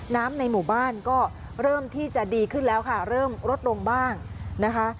ในหมู่บ้านก็เริ่มที่จะดีขึ้นแล้วค่ะเริ่มลดลงบ้างนะคะ